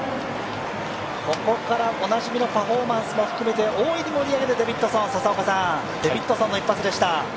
ここからおなじみのパフォーマンスも含めて大いに盛り上げるデビッドソンの一発でした。